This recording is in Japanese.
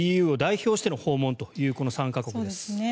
ＥＵを代表しての訪問という３か国です。